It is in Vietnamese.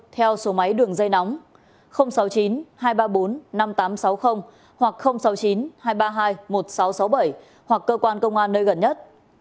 theo số máy đường dây nóng sáu mươi chín hai trăm ba mươi bốn năm nghìn tám trăm sáu mươi hoặc sáu mươi chín hai trăm ba mươi hai một nghìn sáu trăm sáu mươi bảy hoặc cơ quan công an nơi gần nhất